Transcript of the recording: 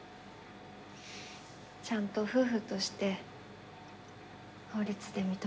ちゃんと夫婦として法律で認めてもらいたい。